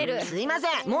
すいません。